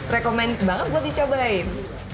rekomen banget buat dicobain